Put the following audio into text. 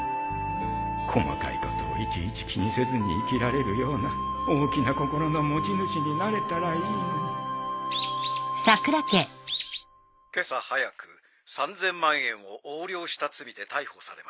細かいことをいちいち気にせずに生きられるような大きな心の持ち主になれたらいいのにけさ早く ３，０００ 万円を横領した罪で逮捕されました。